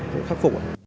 thì khắc phục